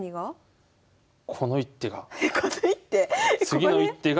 次の一手が。